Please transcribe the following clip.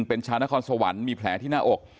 เป็นชาวนครสวรรค์มีแผลที่หน้าอก